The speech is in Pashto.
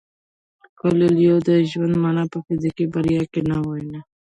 کویلیو د ژوند مانا په فزیکي بریا کې نه ویني.